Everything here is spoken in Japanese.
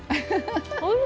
おいしい！